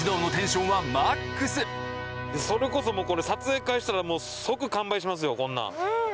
それこそこれ撮影会したらもう即完売しますよこんなん。